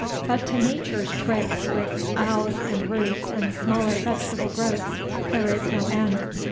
But to Nature's tricks with boughs and roots and smaller vegetable growths there is no end.